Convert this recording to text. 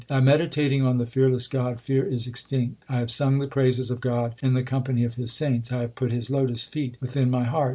By meditating on the Fearless God, fear is extinct. I have sung the praises of God in the company of His saints. I have put his lotus feet within my heart.